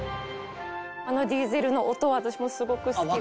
あのディーゼルの音は私もすごく好きで。